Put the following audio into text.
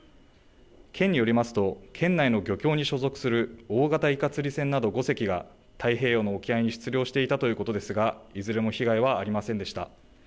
県によりますと県内の漁協に所属する大型イカ釣り船など５隻が太平洋の沖合に出漁していたということですが、いずれも被害はありませんでした。